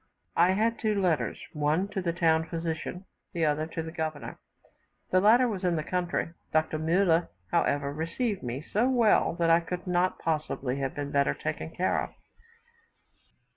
I had two letters; one to the town physician, the other to the governor. The latter was in the country; Dr. Muller, however, received me so well that I could not possibly have been better taken care of.